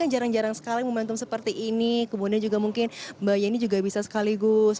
kan jarang jarang sekali membantum seperti ini kebunnya juga mungkin bayi juga bisa sekaligus